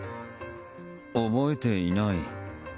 覚えていない。